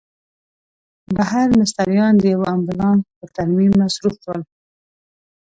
بهر مستریان د یوه امبولانس په ترمیم مصروف ول.